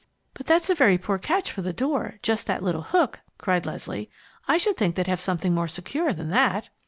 "But that's a very poor catch for the door just that little hook!" cried Leslie. "I should think they'd have something more secure than that."